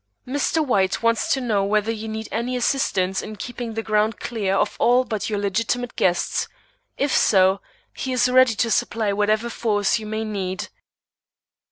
Mr. White wants to know whether you need any assistance in keeping the grounds clear of all but your legitimate guests; if so, he is ready to supply whatever force you may need."